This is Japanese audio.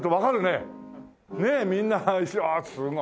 ねえみんなすごい！